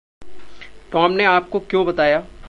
Tom ने आपको क्यों बताया?